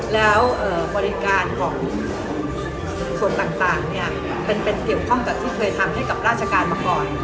แล้วบริการของส่วนต่างเป็นเกี่ยวข้องกับที่เคยทำให้กับราชการมาก่อน